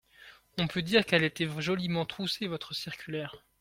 On peut dire qu’elle était joliment troussée, votre circulaire !